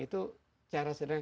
itu cara sederhana